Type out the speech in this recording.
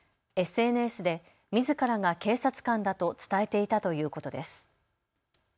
ＳＮＳでみずからが警察官だと伝えていたということです。